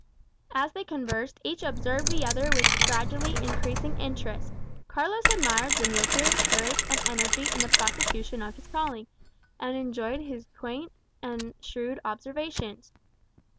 As they conversed, each observed the other with gradually increasing interest. Carlos admired the muleteer's courage and energy in the prosecution of his calling, and enjoyed his quaint and shrewd observations.